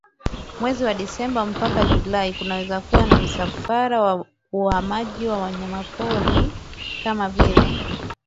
Mwezi wa Desemba mpaka Julai kuweza kuona msafara wa uhamaji wa Wanyamapori kama vile